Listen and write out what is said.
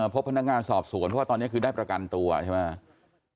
พบพนักงานสอบสวนเพราะว่าตอนนี้คือได้ประกันตัวใช่ไหม